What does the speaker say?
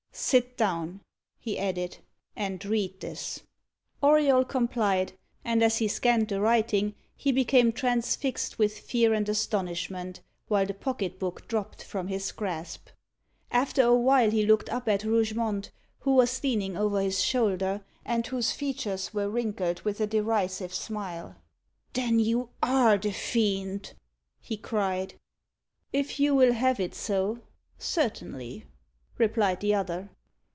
"Sit down," he added, "and read this." Auriol complied, and as he scanned the writing he became transfixed with fear and astonishment, while the pocket book dropped from his grasp. After a while he looked up at Rougemont, who was leaning over his shoulder, and whose features were wrinkled with a derisive smile. "Then you are the Fiend?" he cried. "If you will have it so certainly," replied the other.